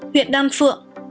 huyện đan phượng